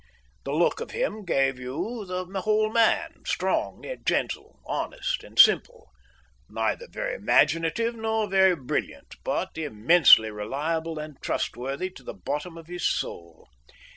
The look of him gave you the whole man, strong yet gentle, honest and simple, neither very imaginative nor very brilliant, but immensely reliable and trustworthy to the bottom of his soul.